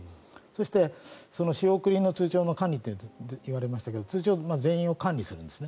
そして、仕送りの通帳の管理と言われましたが通帳、全員を管理をするんです。